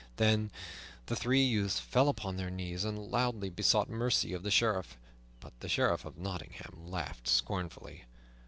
Then the three youths fell upon their knees and loudly besought mercy of the Sheriff; but the Sheriff of Nottingham laughed scornfully.